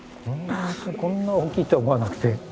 こんな大きいとは思わなくて。